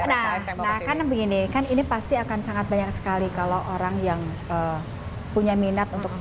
nah karena begini kan ini pasti akan sangat banyak sekali kalau orang yang punya minat untuk